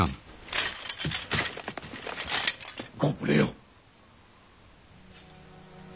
ご無礼を。